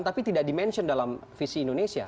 tapi tidak dimention dalam visi indonesia